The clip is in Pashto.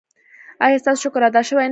ایا ستاسو شکر ادا شوی نه دی؟